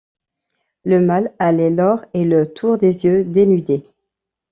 Le mâle a les lores et le tour des yeux dénudés.